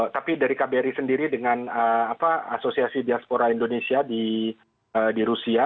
tapi dari kbri sendiri dengan asosiasi diaspora indonesia di rusia